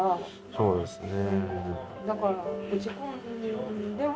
そうですね。